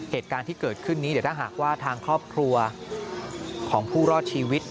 เหตุการณ์ที่เกิดขึ้นนี้เดี๋ยวถ้าหากว่าทางครอบครัวของผู้รอดชีวิต